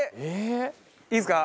いいですか？